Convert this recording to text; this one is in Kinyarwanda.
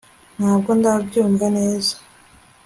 ntabwo ndabyumva neza